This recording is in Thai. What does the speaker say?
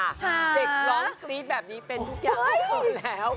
เด็กร้องคลีสแบบนี้เป็นทุกอย่าง